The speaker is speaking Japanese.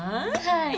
はい。